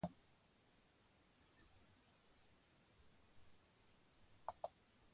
"Sunday Morning" was released as the fourth single from the album.